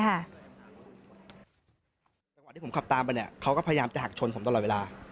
จังหวะที่ผมขับตามไปเนี่ยเขาก็พยายามจะหักชนผมตลอดเวลา